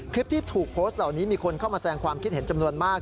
คลิปที่ถูกโพสต์เหล่านี้มีคนเข้ามาแสงความคิดเห็นจำนวนมาก